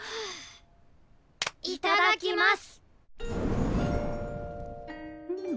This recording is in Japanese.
いただきます。